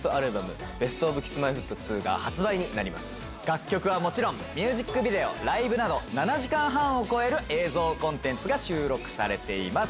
楽曲はもちろんミュージックビデオライブなど７時間半を超える映像コンテンツが収録されています。